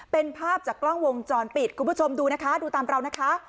เป็นภาพจากกล้องวงจรปิดคุณผู้ชมดูนะคะดูตามเรานะคะ